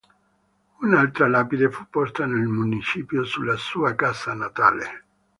Un'altra lapide fu posta dal municipio sulla sua casa natale.